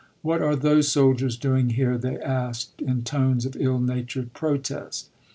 " What are those soldiers doing here 1 " they asked in tones of ill natured protest.